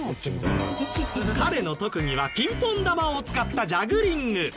彼の特技はピンポン球を使ったジャグリング。